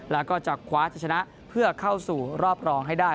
แล้วก็จะคว้าจะชนะเพื่อเข้าสู่รอบรองให้ได้